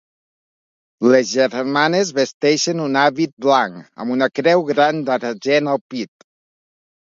Les germanes vesteixen un hàbit blanc amb una creu gran d'argent al pit.